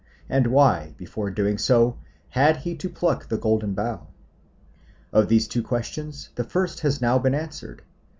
And why, before doing so, had he to pluck the Golden Bough? Of these two questions the first has now been answered.